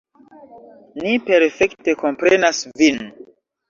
Ni perfekte komprenas vin.